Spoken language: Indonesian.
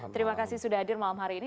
terima kasih sudah hadir malam hari ini